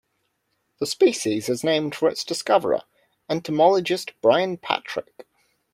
The species is named for its discoverer, entomologist Brian Patrick.